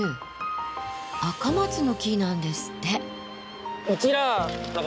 アカマツの木なんですって。